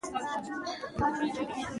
په افغانستان کې ځمکه شتون لري.